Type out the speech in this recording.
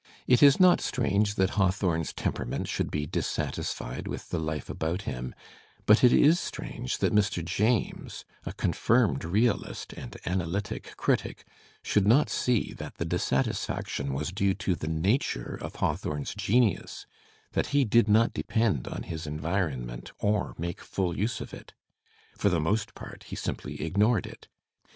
It is not strange that Hawthorne's temperament should be dis satisfied with the life about him, but it is strange that Mr. James, a confirmed realist and analytic critic, should not see that the dissatisfaction was due to the nature of Hawthorne's genius, that he did not depend on his environment or make full use of it. For the most part he simply ignored it.